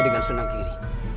dengan sunan giri